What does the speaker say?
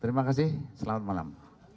terima kasih selamat malam